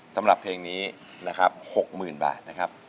สำหรับเพลงนี้นะครับ๖๐๐๐บาทนะครับ